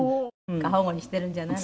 「過保護にしてるんじゃないの？」